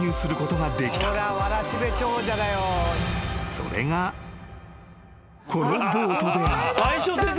［それがこのボートである］